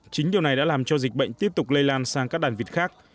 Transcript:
chính điều này đã làm cho dịch bệnh tiếp tục lây lan sang các đàn vịt khác